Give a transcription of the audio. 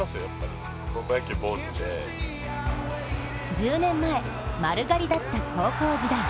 １０年前、丸刈りだった高校時代。